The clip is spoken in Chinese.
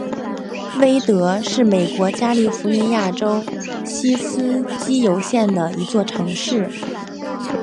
威德是美国加利福尼亚州锡斯基尤县的一座城市。